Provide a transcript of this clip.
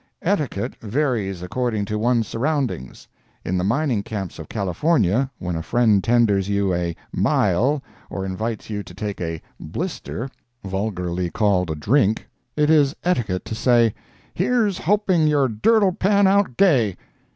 Etiquette varies according to one's surroundings. In the mining camps of California, when a friend tenders you a "mile" or invites you to take a "blister"—vulgarly called a drink—it is etiquette to say, "Here's hoping your dirt'll pan out gay."